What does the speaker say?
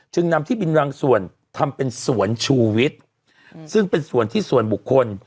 นำที่บินบางส่วนทำเป็นสวนชูวิทย์ซึ่งเป็นสวนที่ส่วนบุคคล